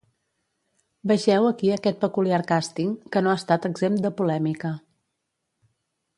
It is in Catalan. Vegeu aquí aquest peculiar càsting, que no ha estat exempt de polèmica.